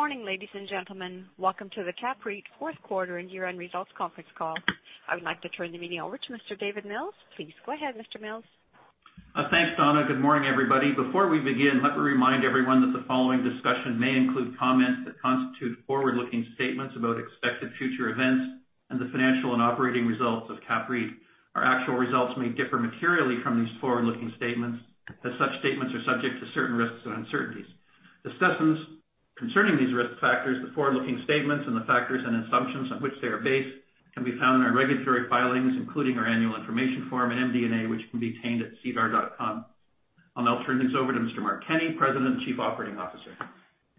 Good morning, ladies and gentlemen. Welcome to the CAPREIT fourth quarter and year-end results conference call. I would like to turn the meeting over to Mr. David Mills. Please go ahead, Mr. Mills. Thanks, Donna. Good morning, everybody. Before we begin, let me remind everyone that the following discussion may include comments that constitute forward-looking statements about expected future events and the financial and operating results of CAPREIT. Our actual results may differ materially from these forward-looking statements, as such statements are subject to certain risks and uncertainties. Discussions concerning these risk factors, the forward-looking statements, and the factors and assumptions on which they are based can be found in our regulatory filings, including our annual information form and MD&A, which can be obtained at sedar.com. I'll now turn things over to Mr. Mark Kenney, President and Chief Operating Officer.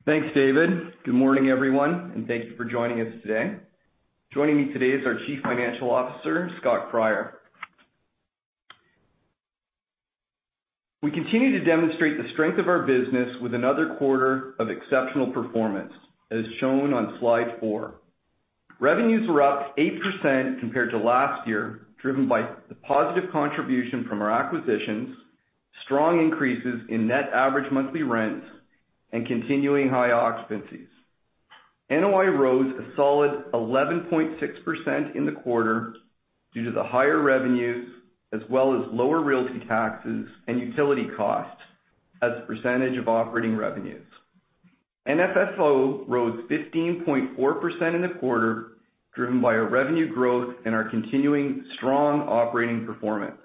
Thanks, David. Good morning, everyone, and thank you for joining us today. Joining me today is our Chief Financial Officer, Scott Cryer. We continue to demonstrate the strength of our business with another quarter of exceptional performance, as shown on slide four. Revenues were up 8% compared to last year, driven by the positive contribution from our acquisitions, strong increases in net average monthly rents, and continuing high occupancies. NOI rose a solid 11.6% in the quarter due to the higher revenues as well as lower realty taxes and utility costs as a percentage of operating revenues. FFO rose 15.4% in the quarter, driven by our revenue growth and our continuing strong operating performance.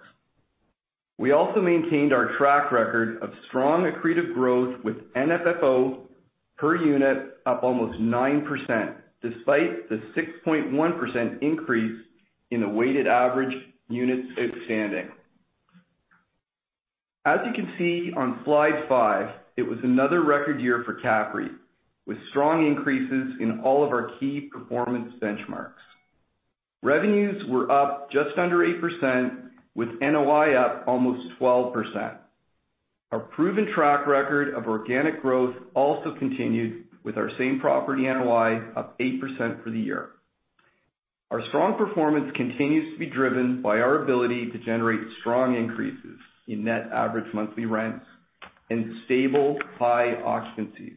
We also maintained our track record of strong accretive growth with NFFO per unit up almost 9%, despite the 6.1% increase in the weighted average units outstanding. As you can see on slide five, it was another record year for CAPREIT, with strong increases in all of our key performance benchmarks. Revenues were up just under 8%, with NOI up almost 12%. Our proven track record of organic growth also continued with our same property NOI up 8% for the year. Our strong performance continues to be driven by our ability to generate strong increases in net average monthly rents and stable high occupancies.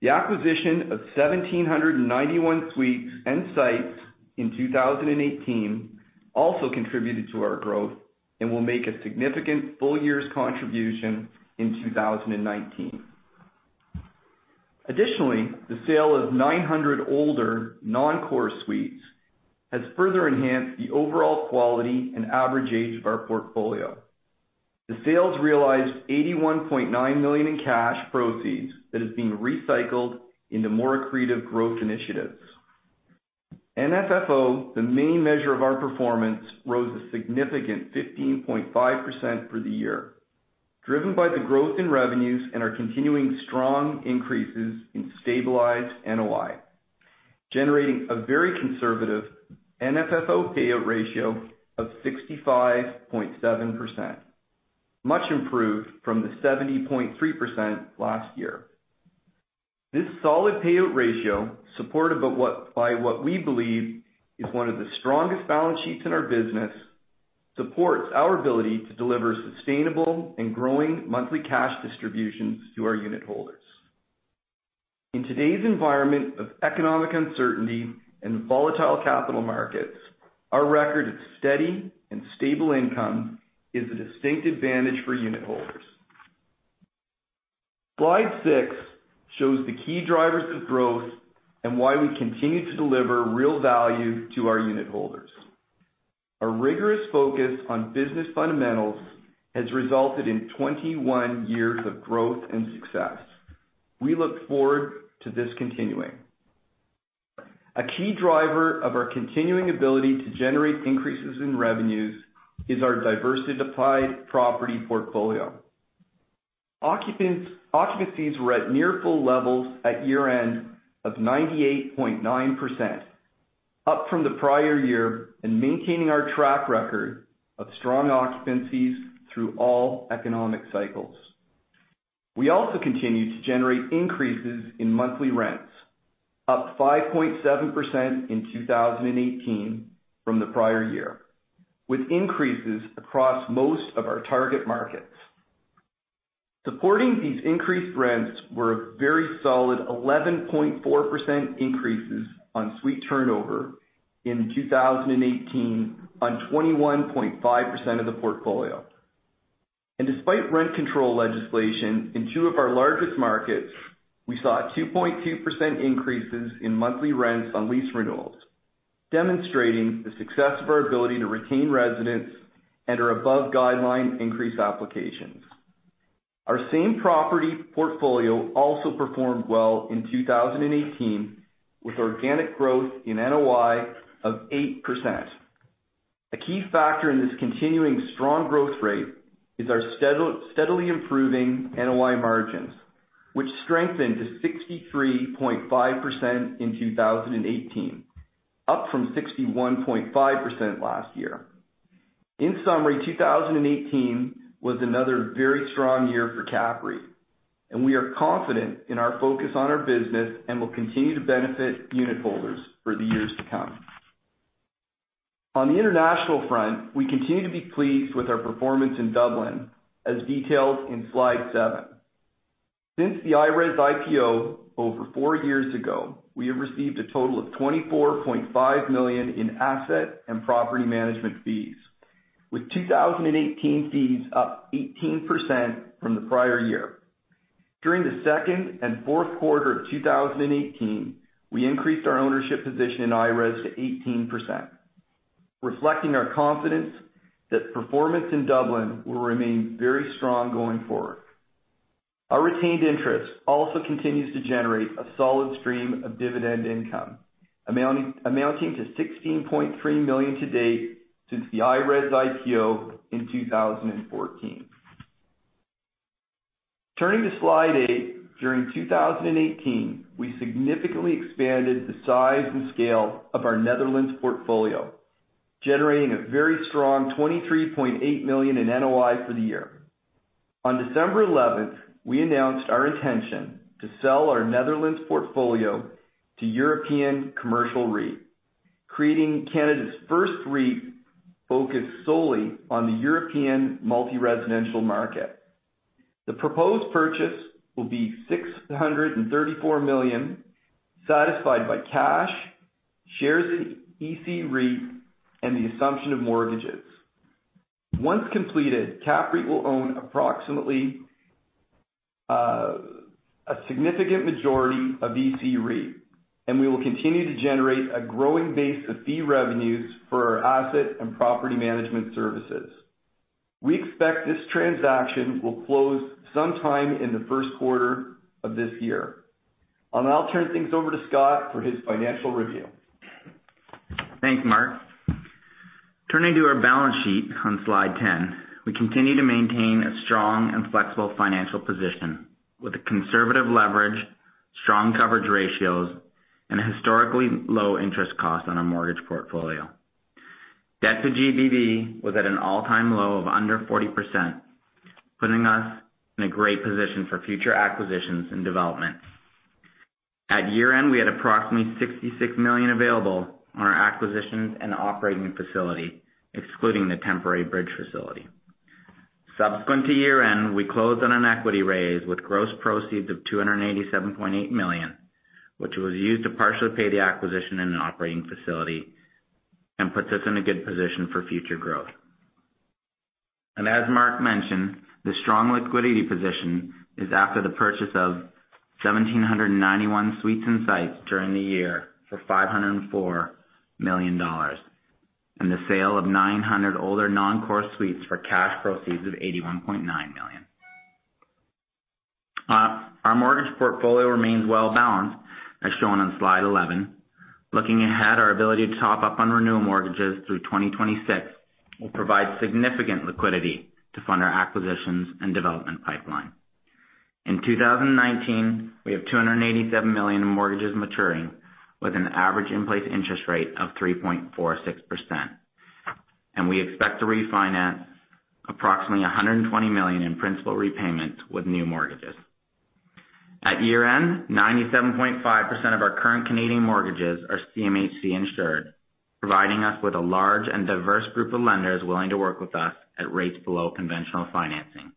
The acquisition of 1,791 suites and sites in 2018 also contributed to our growth and will make a significant full year's contribution in 2019. Additionally, the sale of 900 older, non-core suites has further enhanced the overall quality and average age of our portfolio. The sales realized 81.9 million in cash proceeds that is being recycled into more accretive growth initiatives. NFFO, the main measure of our performance, rose a significant 15.5% for the year, driven by the growth in revenues and our continuing strong increases in stabilized NOI, generating a very conservative NFFO payout ratio of 65.7%, much improved from the 70.3% last year. This solid payout ratio, supported by what we believe is one of the strongest balance sheets in our business, supports our ability to deliver sustainable and growing monthly cash distributions to our unit holders. In today's environment of economic uncertainty and volatile capital markets, our record of steady and stable income is a distinct advantage for unit holders. Slide six shows the key drivers of growth and why we continue to deliver real value to our unit holders. A rigorous focus on business fundamentals has resulted in 21 years of growth and success. We look forward to this continuing. A key driver of our continuing ability to generate increases in revenues is our diversified property portfolio. Occupancies were at near full levels at year-end of 98.9%, up from the prior year and maintaining our track record of strong occupancies through all economic cycles. We also continue to generate increases in monthly rents, up 5.7% in 2018 from the prior year, with increases across most of our target markets. Supporting these increased rents were a very solid 11.4% increases on suite turnover in 2018 on 21.5% of the portfolio. Despite rent control legislation in two of our largest markets, we saw 2.2% increases in monthly rents on lease renewals, demonstrating the success of our ability to retain residents and our above-guideline increase applications. Our same property portfolio also performed well in 2018, with organic growth in NOI of 8%. A key factor in this continuing strong growth rate is our steadily improving NOI margins, which strengthened to 63.5% in 2018, up from 61.5% last year. In summary, 2018 was another very strong year for CAPREIT, and we are confident in our focus on our business and will continue to benefit unit holders for the years to come. On the international front, we continue to be pleased with our performance in Dublin, as detailed in slide seven. Since the IRES IPO over four years ago, we have received a total of 24.5 million in asset and property management fees, with 2018 fees up 18% from the prior year. During the second and fourth quarter of 2018, we increased our ownership position in IRES to 18%, reflecting our confidence that performance in Dublin will remain very strong going forward. Our retained interest also continues to generate a solid stream of dividend income, amounting to 16.3 million to date since the IRES IPO in 2014. Turning to slide eight. During 2018, we significantly expanded the size and scale of our Netherlands portfolio, generating a very strong 23.8 million in NOI for the year. On December 11th, 2018, we announced our intention to sell our Netherlands portfolio to European Residential REIT, creating Canada's first REIT focused solely on the European multi-residential market. The proposed purchase will be 634 million, satisfied by cash, shares in ERES, and the assumption of mortgages. Once completed, CAPREIT will own approximately a significant majority of ERES, and we will continue to generate a growing base of fee revenues for our asset and property management services. We expect this transaction will close sometime in the first quarter of this year. I'll now turn things over to Scott for his financial review. Thanks, Mark. Turning to our balance sheet on slide 10, we continue to maintain a strong and flexible financial position with a conservative leverage, strong coverage ratios, and a historically low interest cost on our mortgage portfolio. Debt to GDV was at an all-time low of under 40%, putting us in a great position for future acquisitions and developments. At year-end, we had approximately 66 million available on our acquisitions and operating facility, excluding the temporary bridge facility. Subsequent to year-end, we closed on an equity raise with gross proceeds of 287.8 million, which was used to partially pay the acquisition and operating facility, puts us in a good position for future growth. As Mark mentioned, the strong liquidity position is after the purchase of 1,791 suites and sites during the year for 504 million dollars, and the sale of 900 older non-core suites for cash proceeds of 81.9 million. Our mortgage portfolio remains well-balanced, as shown on slide 11. Looking ahead, our ability to top up on renewal mortgages through 2026 will provide significant liquidity to fund our acquisitions and development pipeline. In 2019, we have 287 million in mortgages maturing with an average in-place interest rate of 3.46%. We expect to refinance approximately 120 million in principal repayments with new mortgages. At year-end, 97.5% of our current Canadian mortgages are CMHC-insured, providing us with a large and diverse group of lenders willing to work with us at rates below conventional financing.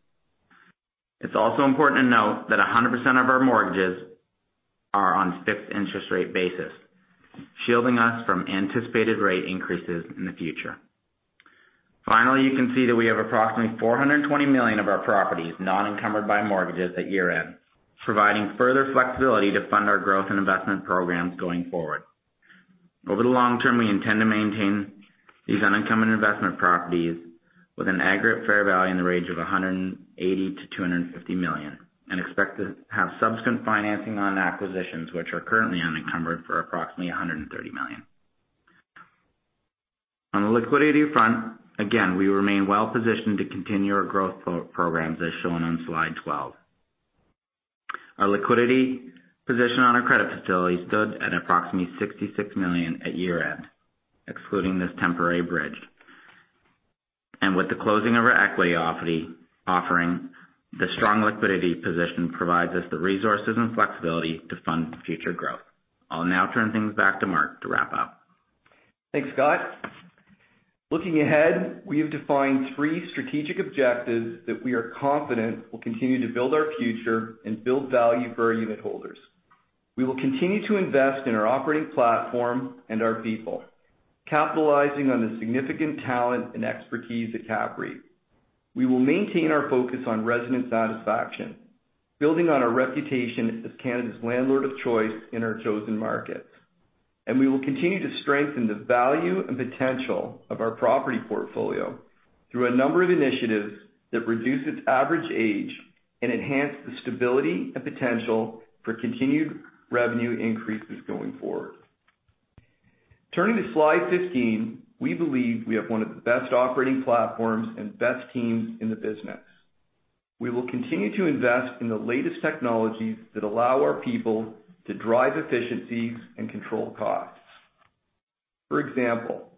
It's also important to note that 100% of our mortgages are on fixed interest rate basis, shielding us from anticipated rate increases in the future. Finally, you can see that we have approximately 420 million of our properties non-encumbered by mortgages at year-end, providing further flexibility to fund our growth and investment programs going forward. Over the long term, we intend to maintain these unencumbered investment properties with an aggregate fair value in the range of 180 million-250 million, expect to have subsequent financing on acquisitions which are currently unencumbered for approximately 130 million. On the liquidity front, again, we remain well-positioned to continue our growth programs, as shown on slide 12. Our liquidity position on our credit facility stood at approximately 66 million at year-end, excluding this temporary bridge. With the closing of our equity offering, the strong liquidity position provides us the resources and flexibility to fund future growth. I'll now turn things back to Mark to wrap up. Thanks, Scott. Looking ahead, we have defined three strategic objectives that we are confident will continue to build our future and build value for our unit holders. We will continue to invest in our operating platform and our people, capitalizing on the significant talent and expertise at CAPREIT. We will maintain our focus on resident satisfaction, building on our reputation as Canada's landlord of choice in our chosen markets. We will continue to strengthen the value and potential of our property portfolio through a number of initiatives that reduce its average age and enhance the stability and potential for continued revenue increases going forward. Turning to slide 15, we believe we have one of the best operating platforms and best teams in the business. We will continue to invest in the latest technologies that allow our people to drive efficiencies and control costs. For example,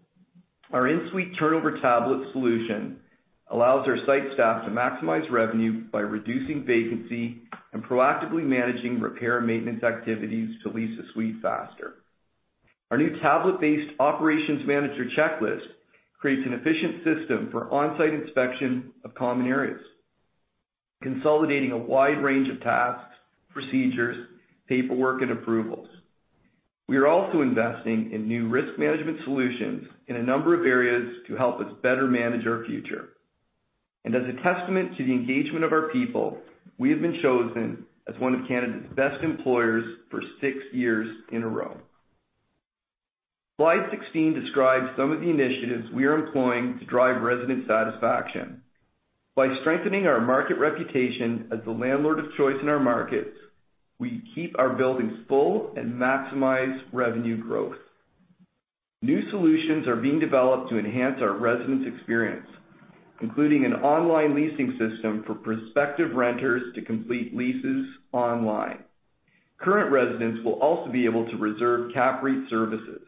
our in-suite turnover tablet solution allows our site staff to maximize revenue by reducing vacancy and proactively managing repair and maintenance activities to lease a suite faster. Our new tablet-based operations manager checklist creates an efficient system for on-site inspection of common areas, consolidating a wide range of tasks, procedures, paperwork, and approvals. We are also investing in new risk management solutions in a number of areas to help us better manage our future. As a testament to the engagement of our people, we have been chosen as one of Canada's Best Employers for six years in a row. Slide 16 describes some of the initiatives we are employing to drive resident satisfaction. By strengthening our market reputation as the landlord of choice in our markets, we keep our buildings full and maximize revenue growth. New solutions are being developed to enhance our residents' experience, including an online leasing system for prospective renters to complete leases online. Current residents will also be able to reserve CAPREIT services.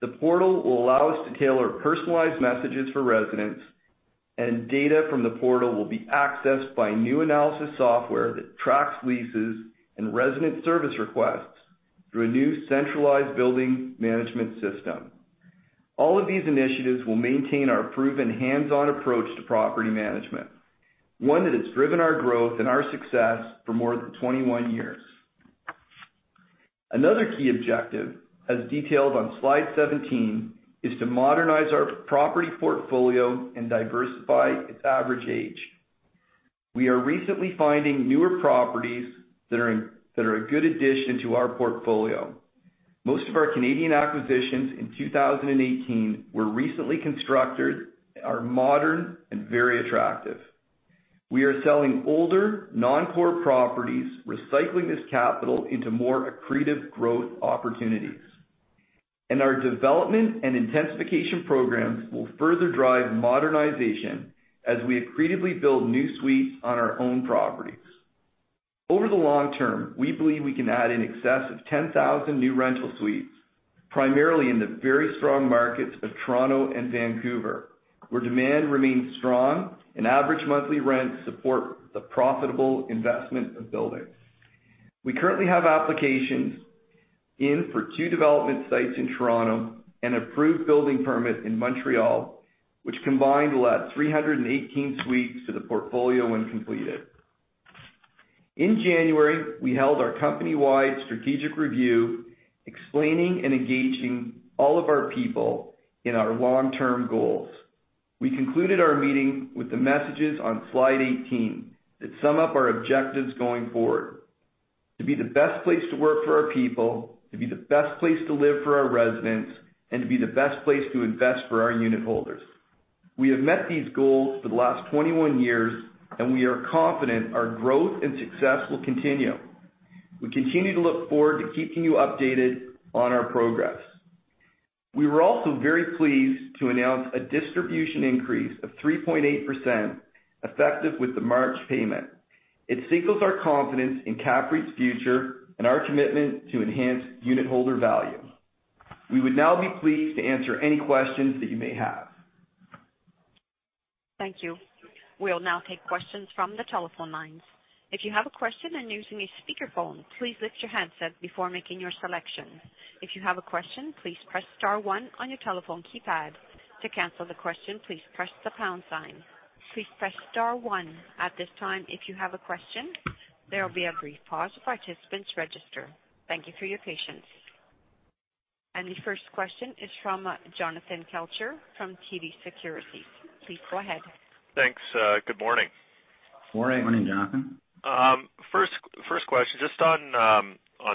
The portal will allow us to tailor personalized messages for residents, and data from the portal will be accessed by new analysis software that tracks leases and resident service requests through a new centralized building management system. All of these initiatives will maintain our proven hands-on approach to property management, one that has driven our growth and our success for more than 21 years. Another key objective, as detailed on slide 17, is to modernize our property portfolio and diversify its average age. We are recently finding newer properties that are a good addition to our portfolio. Most of our Canadian acquisitions in 2018 were recently constructed, are modern, and very attractive. We are selling older, non-core properties, recycling this capital into more accretive growth opportunities. Our development and intensification programs will further drive modernization as we accretively build new suites on our own properties. Over the long term, we believe we can add in excess of 10,000 new rental suites, primarily in the very strong markets of Toronto and Vancouver, where demand remains strong, and average monthly rents support the profitable investment of buildings. We currently have applications in for two development sites in Toronto and approved building permits in Montreal, which combined will add 318 suites to the portfolio when completed. In January, we held our company-wide strategic review, explaining and engaging all of our people in our long-term goals. We concluded our meeting with the messages on slide 18 that sum up our objectives going forward. To be the best place to work for our people, to be the best place to live for our residents, and to be the best place to invest for our unitholders. We have met these goals for the last 21 years, and we are confident our growth and success will continue. We continue to look forward to keeping you updated on our progress. We were also very pleased to announce a distribution increase of 3.8%, effective with the March payment. It signals our confidence in CAPREIT's future and our commitment to enhance unitholder value. We would now be pleased to answer any questions that you may have. Thank you. We'll now take questions from the telephone lines. If you have a question and you're using a speakerphone, please lift your handset before making your selection. If you have a question, please press star one on your telephone keypad. To cancel the question, please press the pound sign. Please press star one at this time if you have a question. There will be a brief pause while participants register. Thank you for your patience. The first question is from Jonathan Kelcher from TD Securities. Please go ahead. Thanks. Good morning. Morning. Morning, Jonathan. First question, just on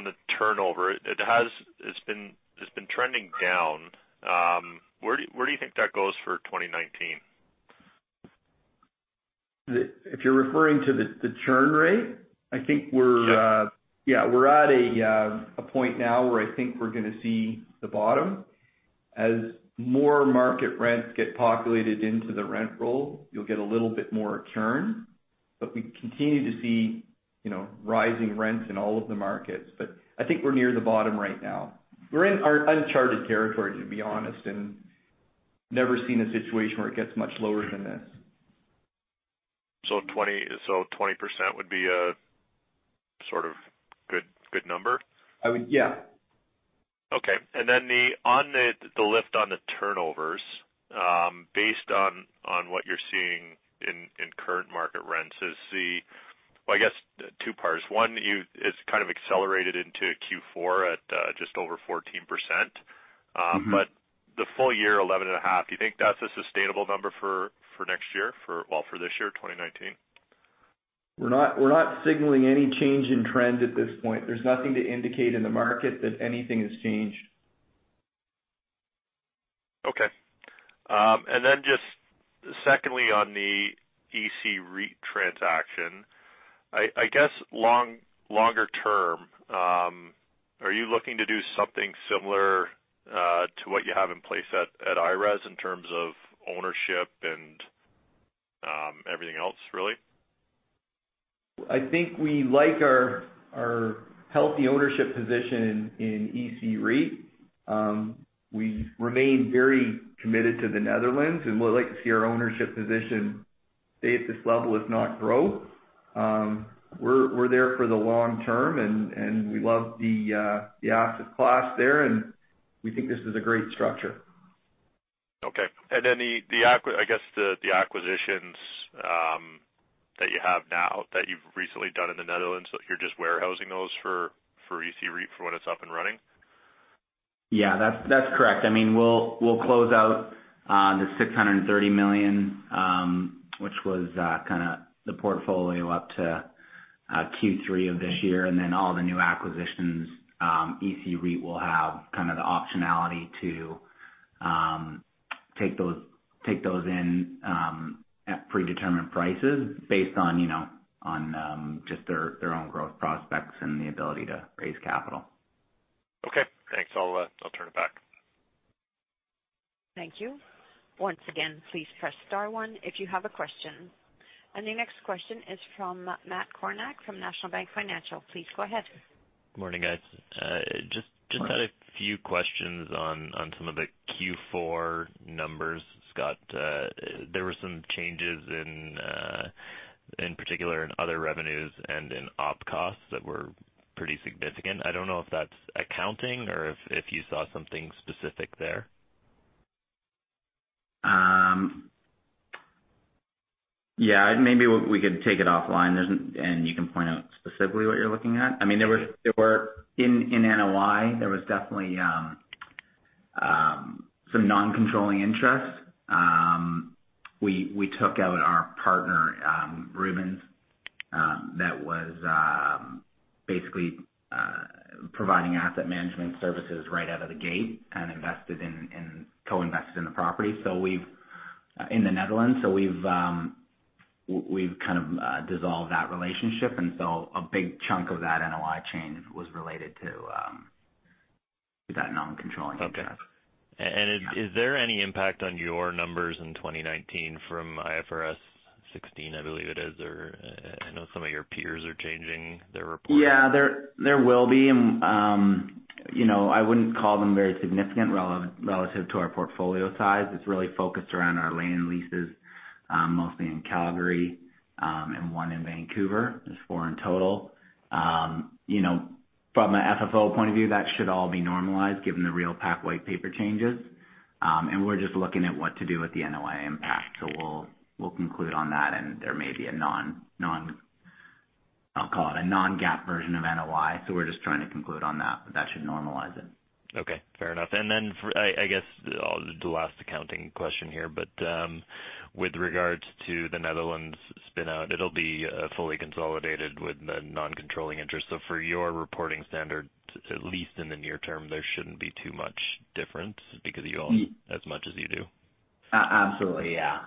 the turnover. It's been trending down. Where do you think that goes for 2019? If you're referring to the churn rate. Yeah I think we're at a point now where I think we're going to see the bottom. As more market rents get populated into the rent roll, you'll get a little bit more churn. We continue to see rising rents in all of the markets. I think we're near the bottom right now. We're in uncharted territory, to be honest, and never seen a situation where it gets much lower than this. 20% would be a sort of good number? Yeah. Okay. On the lift on the turnovers, based on what you are seeing in current market rents, I guess two parts. One, it is kind of accelerated into Q4 at just over 14%. The full year, 11.5. Do you think that is a sustainable number for next year? Well, for this year, 2019. We are not signaling any change in trend at this point. There is nothing to indicate in the market that anything has changed. Okay. Then just secondly, on the ERES transaction, I guess longer term, are you looking to do something similar to what you have in place at IRES in terms of ownership and everything else, really? I think we like our healthy ownership position in ERES. We remain very committed to the Netherlands, and we'd like to see our ownership position stay at this level, if not grow. We're there for the long term, and we love the asset class there, and we think this is a great structure. Okay. Then, I guess the acquisitions that you have now that you've recently done in the Netherlands, you're just warehousing those for ERES for when it's up and running? Yeah, that's correct. We'll close out the 630 million, which was the portfolio up to Q3 of this year, and then all the new acquisitions, ERES will have the optionality to take those in at predetermined prices based on just their own growth prospects and the ability to raise capital. Okay, thanks. I will turn it back. Thank you. Once again, please press star one if you have a question. The next question is from Matt Kornack from National Bank Financial. Please go ahead. Morning, guys. Morning. Just had a few questions on some of the Q4 numbers, Scott. There were some changes, in particular, in other revenues and in op costs that were pretty significant. I do not know if that is accounting or if you saw something specific there. Yeah. Maybe we could take it offline, and you can point out specifically what you're looking at. In NOI, there was definitely some non-controlling interest. We took out our partner, Rubens, that was basically providing asset management services right out of the gate and co-invested in the property in the Netherlands. We've kind of dissolved that relationship. A big chunk of that NOI change was related to that non-controlling interest. Okay. Yeah. Is there any impact on your numbers in 2019 from IFRS 16, I believe it is? I know some of your peers are changing their reporting. Yeah, there will be. I wouldn't call them very significant relative to our portfolio size. It's really focused around our land leases, mostly in Calgary, and one in Vancouver. There's four in total. From a FFO point of view, that should all be normalized given the REALPAC white paper changes. We're just looking at what to do with the NOI impact. We'll conclude on that, and there may be, I'll call it, a non-GAAP version of NOI. We're just trying to conclude on that, but that should normalize it. Okay. Fair enough. I guess the last accounting question here. With regards to the Netherlands spin-out, it'll be fully consolidated with the non-controlling interest. For your reporting standard, at least in the near term, there shouldn't be too much difference because you own as much as you do. Absolutely, yeah.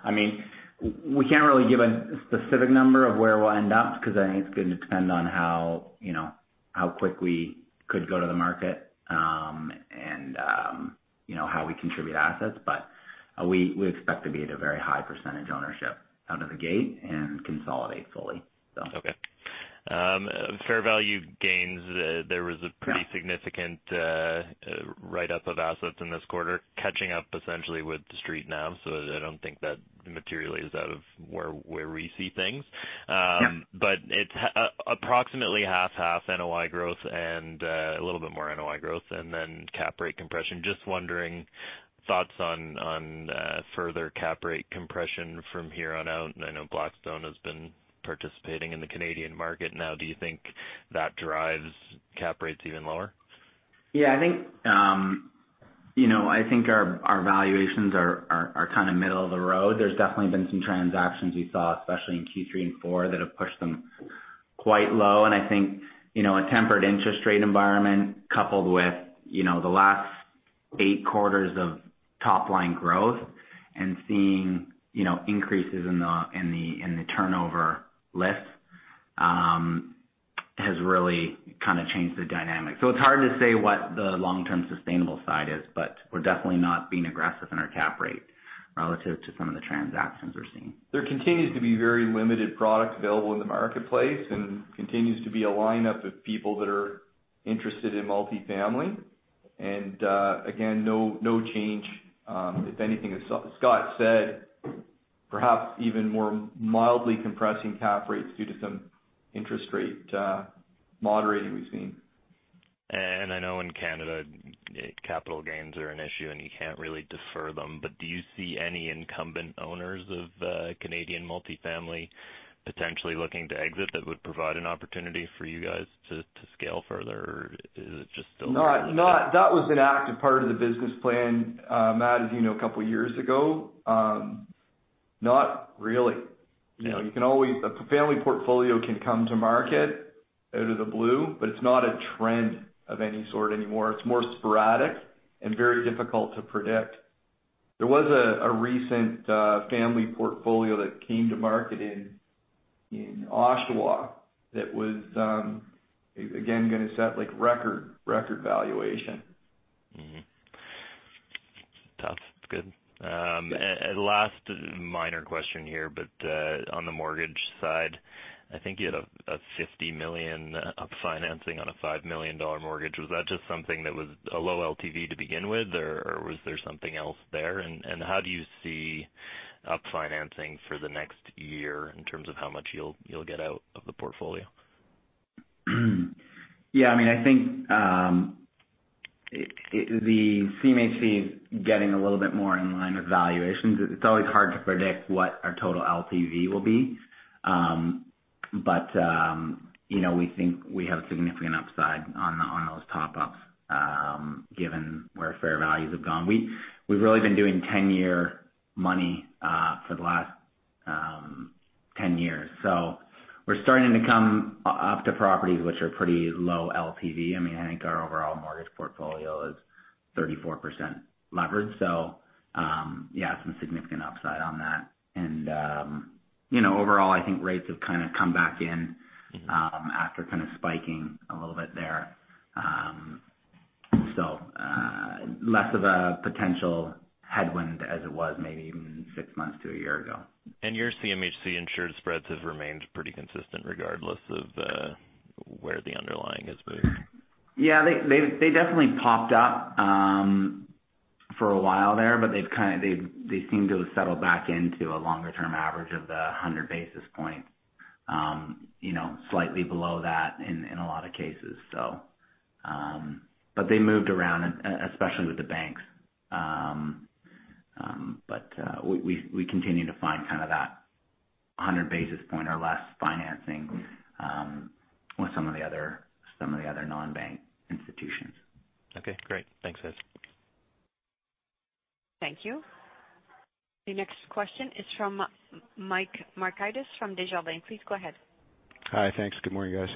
We can't really give a specific number of where we'll end up because I think it's going to depend on how quickly we could go to the market and how we contribute assets. We expect to be at a very high percentage ownership out of the gate and consolidate fully. Okay. Fair value gains. There was. Yeah pretty significant write-up of assets in this quarter, catching up essentially with the Street now. I don't think that materially is out of where we see things. Yeah. It's approximately half-half NOI growth and a little bit more NOI growth, and then cap rate compression. Just wondering, thoughts on further cap rate compression from here on out. I know Blackstone has been participating in the Canadian market now. Do you think that drives cap rates even lower? Yeah. I think our valuations are kind of middle of the road. There's definitely been some transactions we saw, especially in Q3 and 4, that have pushed them quite low. I think, a tempered interest rate environment coupled with the last eight quarters of top-line growth and seeing increases in the turnover list has really changed the dynamic. It's hard to say what the long-term sustainable side is, but we're definitely not being aggressive in our cap rate relative to some of the transactions we're seeing. There continues to be very limited product available in the marketplace and continues to be a lineup of people that are interested in multifamily. Again, no change. If anything, as Scott said, perhaps even more mildly compressing cap rates due to some interest rate moderating we've seen. I know in Canada, capital gains are an issue, and you can't really defer them. Do you see any incumbent owners of Canadian multifamily potentially looking to exit that would provide an opportunity for you guys to scale further, or is it just still very limited? That was an active part of the business plan, Matt, as you know, a couple of years ago. Not really. Yeah. A family portfolio can come to market out of the blue, but it's not a trend of any sort anymore. It's more sporadic and very difficult to predict. There was a recent family portfolio that came to market in Oshawa that was, again, going to set record valuation. That's good. Last minor question here. On the mortgage side, I think you had a 50 million up financing on a 5 million dollar mortgage. Was that just something that was a low LTV to begin with or was there something else there? How do you see up financing for the next year in terms of how much you'll get out of the portfolio? Yeah. I think the CMHC is getting a little bit more in line with valuations. It's always hard to predict what our total LTV will be. We think we have a significant upside on those top-ups, given where fair values have gone. We've really been doing 10-year money for the last 10 years. We're starting to come up to properties which are pretty low LTV. I think our overall mortgage portfolio is 34% leverage. Yeah, some significant upside on that. Overall, I think rates have come back in after spiking a little bit there. Less of a potential headwind as it was maybe even six months to a year ago. Your CMHC-insured spreads have remained pretty consistent regardless of where the underlying has moved. Yeah. They definitely popped up for a while there, but they've seemed to have settled back into a longer-term average of the 100 basis points. Slightly below that in a lot of cases. They moved around, especially with the banks. We continue to find that 100 basis point or less financing with some of the other non-bank institutions. Okay, great. Thanks, guys. Thank you. Your next question is from Michael Markidis from Desjardins. Please go ahead. Hi. Thanks. Good morning, guys.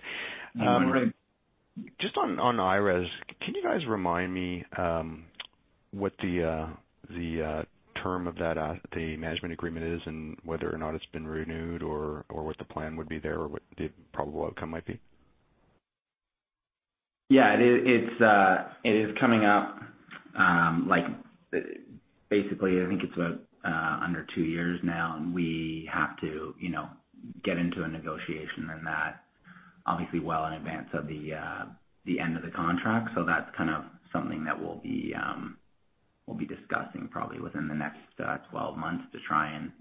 Good morning. Just on IRES, can you guys remind me what the term of the management agreement is, and whether or not it's been renewed or what the plan would be there, or what the probable outcome might be? Yeah. It is coming up. Basically, I think it's about under two years now, and we have to get into a negotiation on that, obviously, well in advance of the end of the contract. That's something that we'll be discussing probably within the next 12 months to try and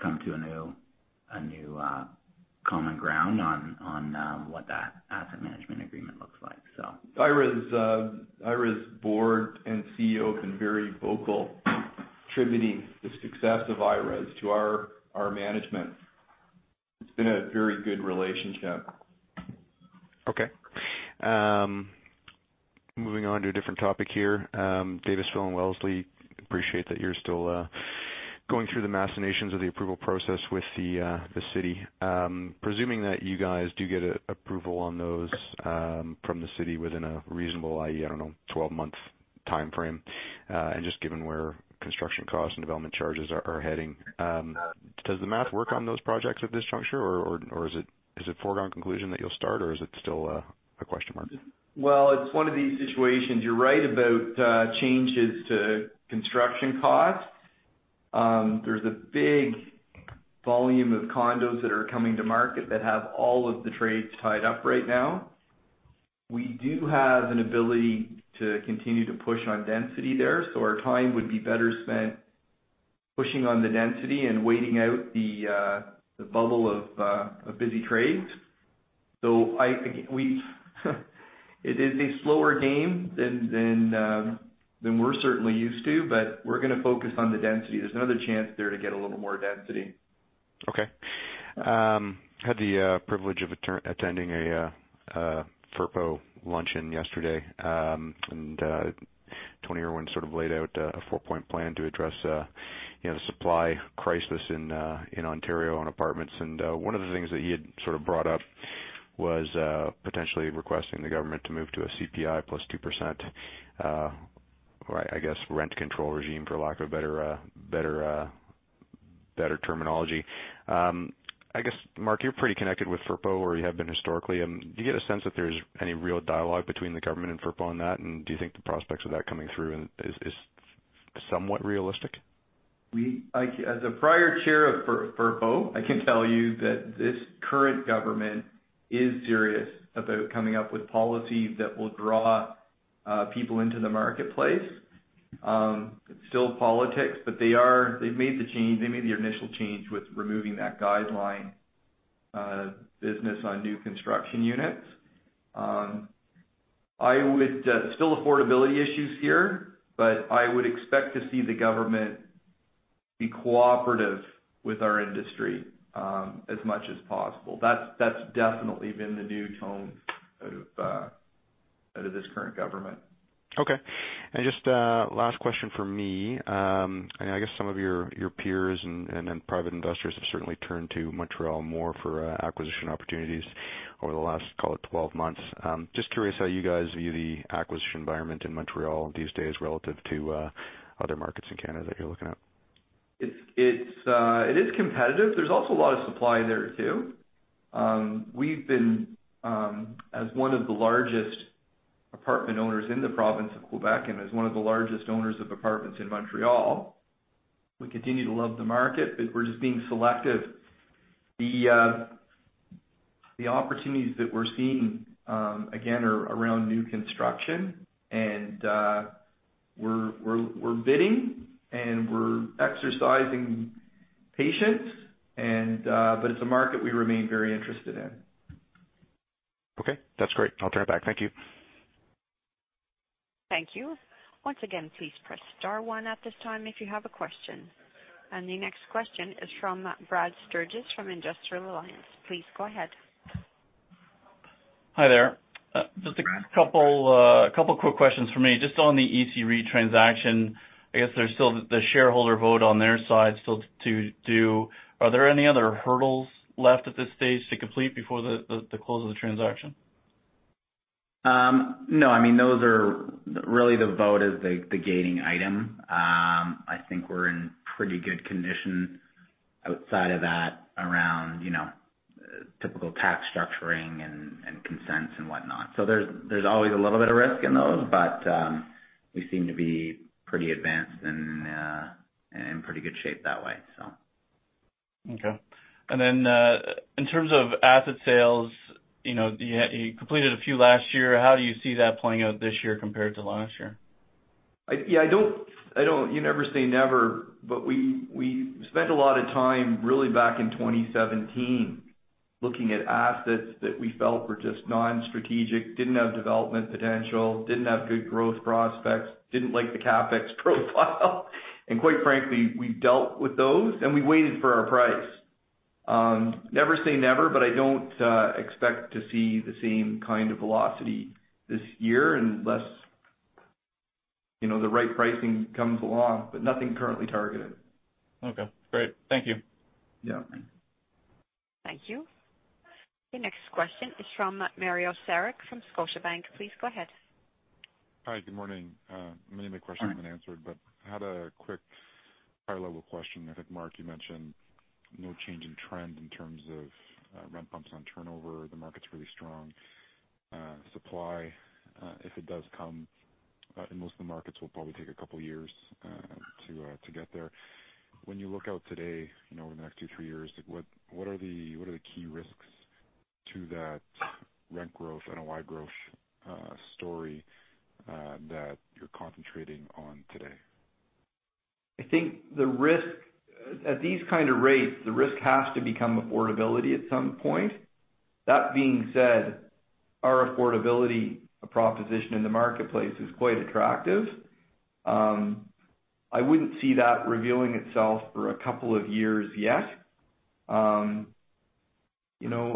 come to a new common ground on what that asset management agreement looks like. IRES board and CEO have been very vocal attributing the success of IRES to our management. It's been a very good relationship. Okay. Moving on to a different topic here. Davisville and Wellesley, appreciate that you're still going through the machinations of the approval process with the city. Presuming that you guys do get approval on those from the city within a reasonable, i.e., I don't know, 12-month timeframe, just given where construction costs and development charges are heading, does the math work on those projects at this juncture, or is it foregone conclusion that you'll start, or is it still a question mark? Well, it's one of these situations. You're right about changes to construction costs. There's a big volume of condos that are coming to market that have all of the trades tied up right now. We do have an ability to continue to push on density there, our time would be better spent pushing on the density and waiting out the bubble of busy trades. It is a slower game than we're certainly used to, but we're going to focus on the density. There's another chance there to get a little more density. Okay. Had the privilege of attending a FRPO luncheon yesterday, Tony Irwin sort of laid out a four-point plan to address the supply crisis in Ontario on apartments. One of the things that he had sort of brought up was potentially requesting the government to move to a CPI plus 2%, or I guess, rent control regime, for lack of a better terminology. I guess, Mark, you're pretty connected with FRPO, or you have been historically. Do you get a sense that there's any real dialogue between the government and FRPO on that, and do you think the prospects of that coming through is somewhat realistic? As a prior chair of FRPO, I can tell you that this current government is serious about coming up with policy that will draw people into the marketplace. It's still politics, they've made the change. They made the initial change with removing that guideline business on new construction units. Still affordability issues here, I would expect to see the government be cooperative with our industry as much as possible. That's definitely been the new tone out of this current government. Okay. Just last question from me. I guess some of your peers and then private investors have certainly turned to Montreal more for acquisition opportunities over the last, call it, 12 months. Just curious how you guys view the acquisition environment in Montreal these days relative to other markets in Canada that you're looking at. It is competitive. There's also a lot of supply there, too. As one of the largest apartment owners in the province of Quebec and as one of the largest owners of apartments in Montreal, we continue to love the market, but we're just being selective. The opportunities that we're seeing, again, are around new construction, and we're bidding, and we're exercising patience. It's a market we remain very interested in. Okay. That's great. I'll turn it back. Thank you. Thank you. Once again, please press star one at this time if you have a question. The next question is from Brad Sturges from Industrial Alliance. Please go ahead. Hi there. Just a couple quick questions from me. Just on the ERES transaction, I guess there's still the shareholder vote on their side still to do. Are there any other hurdles left at this stage to complete before the close of the transaction? No. Really, the vote is the gating item. I think we're in pretty good condition outside of that around typical tax structuring and consents and whatnot. There's always a little bit of risk in those, we seem to be pretty advanced and in pretty good shape that way. Okay. Then, in terms of asset sales, you completed a few last year. How do you see that playing out this year compared to last year? Yeah. You never say never, we spent a lot of time really back in 2017 looking at assets that we felt were just non-strategic, didn't have development potential, didn't have good growth prospects, didn't like the CapEx profile. Quite frankly, we dealt with those, and we waited for our price. Never say never, I don't expect to see the same kind of velocity this year unless the right pricing comes along, nothing currently targeted. Okay, great. Thank you. Yeah. Thank you. The next question is from Mario Saric from Scotiabank. Please go ahead. Hi. Good morning. Many of my questions have been answered, but I had a quick high-level question. I think, Mark Kenney, you mentioned no change in trend in terms of rent bumps on turnover. The market's really strong. Supply, if it does come, in most of the markets, will probably take a couple of years to get there. When you look out today, over the next two, three years, what are the key risks to that rent growth, NOI growth story that you're concentrating on today? I think at these kind of rates, the risk has to become affordability at some point. That being said, our affordability proposition in the marketplace is quite attractive. I wouldn't see that revealing itself for a couple of years yet.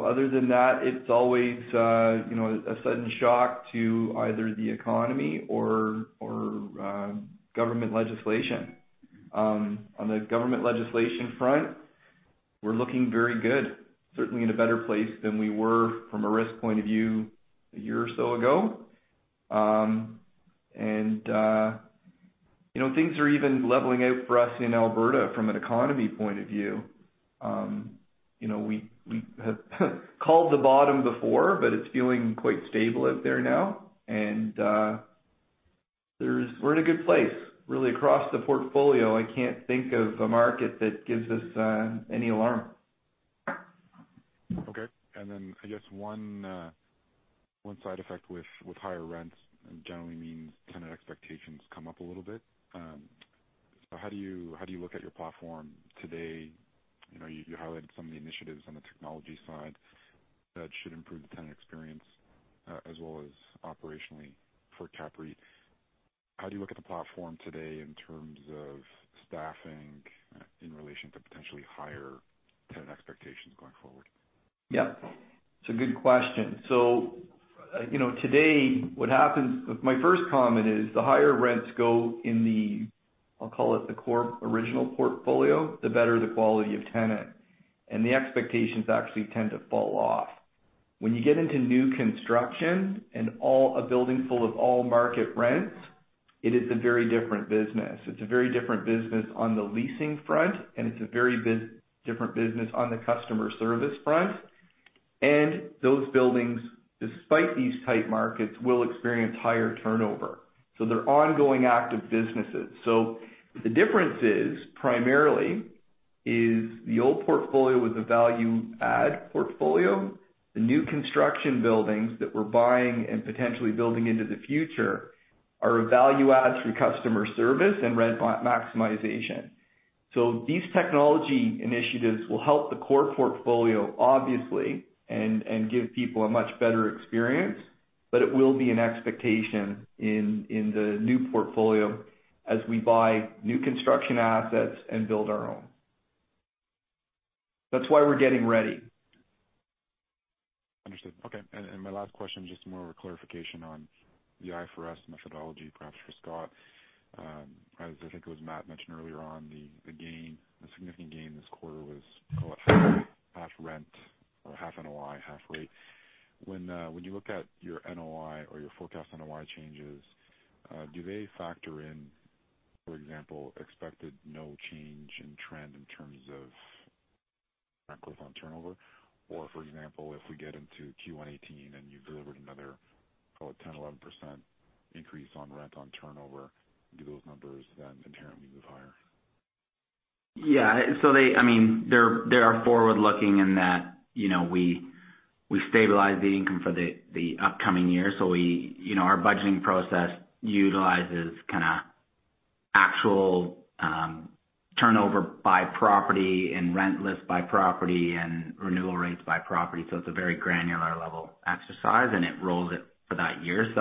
Other than that, it's always a sudden shock to either the economy or government legislation. On the government legislation front, we're looking very good, certainly in a better place than we were from a risk point of view a year or so ago. Things are even leveling out for us in Alberta from an economy point of view. We have called the bottom before, but it's feeling quite stable out there now, and we're in a good place. Really across the portfolio, I can't think of a market that gives us any alarm. Okay. I guess one side effect with higher rents generally means tenant expectations come up a little bit. How do you look at your platform today? You highlighted some of the initiatives on the technology side that should improve the tenant experience as well as operationally for CAPREIT. How do you look at the platform today in terms of staffing in relation to potentially higher tenant expectations going forward? Yeah. It's a good question. Today, my first comment is the higher rents go in the, I'll call it the core original portfolio, the better the quality of tenant, and the expectations actually tend to fall off. When you get into new construction and a building full of all-market rents, it is a very different business. It's a very different business on the leasing front, and it's a very different business on the customer service front. Those buildings, despite these tight markets, will experience higher turnover. They're ongoing, active businesses. The difference primarily is the old portfolio was a value add portfolio. The new construction buildings that we're buying and potentially building into the future are a value add through customer service and rent maximization. These technology initiatives will help the core portfolio obviously and give people a much better experience. It will be an expectation in the new portfolio as we buy new construction assets and build our own. That's why we're getting ready. Understood. Okay. My last question, just more of a clarification on the IFRS methodology, perhaps for Scott. As I think it was Matt mentioned earlier on, the significant gain this quarter was half rent or half NOI, half rate. When you look at your NOI or your forecast NOI changes, do they factor in, for example, expected no change in trend in terms of rent growth on turnover? Or, for example, if we get into Q1 2018 and you've delivered another, call it, 10%, 11% increase on rent on turnover, do those numbers then inherently move higher? Yeah. They are forward-looking in that we stabilize the income for the upcoming year. Our budgeting process utilizes actual turnover by property and rent list by property and renewal rates by property. It's a very granular level exercise, and it rolls it for that year.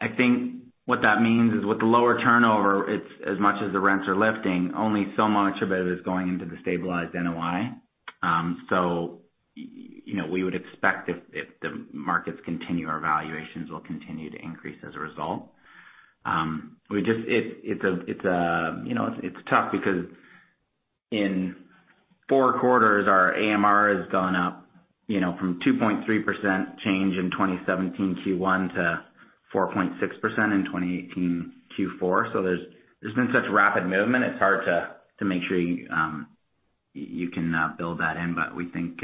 I think what that means is with the lower turnover, as much as the rents are lifting, only so much of it is going into the stabilized NOI. We would expect if the markets continue, our valuations will continue to increase as a result. It's tough because in four quarters, our AMR has gone up from 2.3% change in 2017 Q1 to 4.6% in 2018 Q4. There's been such rapid movement. It's hard to make sure you can build that in. We think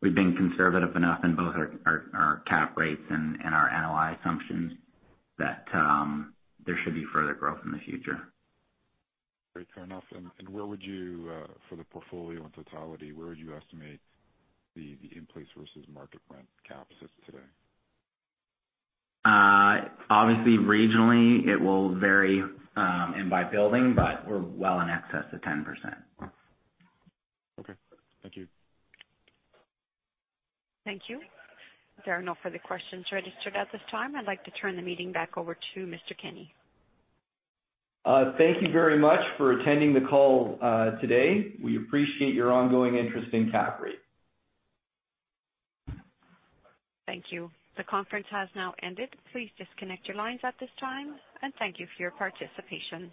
we've been conservative enough in both our cap rates and our NOI assumptions that there should be further growth in the future. Great. Fair enough. For the portfolio in totality, where would you estimate the in-place versus market rent cap sits today? Obviously, regionally, it will vary and by building, we're well in excess of 10%. Okay. Thank you. Thank you. There are no further questions registered at this time. I'd like to turn the meeting back over to Mr. Kenney. Thank you very much for attending the call today. We appreciate your ongoing interest in CAPREIT. Thank you. The conference has now ended. Please disconnect your lines at this time, and thank you for your participation.